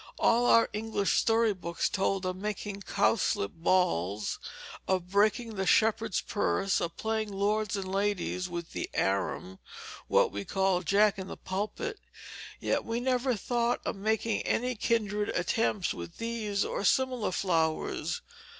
All our English story books told of making cowslip balls, of breaking the shepherd's purse, of playing lords and ladies with the arum what we call jack in the pulpit; yet we never thought of making any kindred attempts with these or similar flowers.